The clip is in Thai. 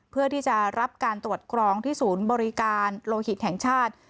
เพื่อที่จะรับการตรวจกรองที่ศูนย์บริการโลหิตแห่งชาติ